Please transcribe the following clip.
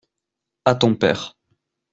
À ton père.